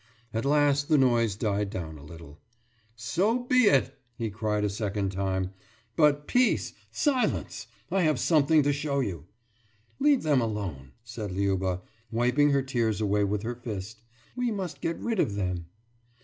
At last the noise died down a little. »So be it!« he cried, a second time. »But, peace! Silence! I have something to show you!« »Leave them alone,« said Liuba, wiping her tears away with her fist. »We must get rid of them.